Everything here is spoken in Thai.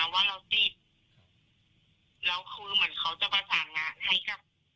ไม่ได้ไปไหนให้รอเจ้าหน้าที่มารับ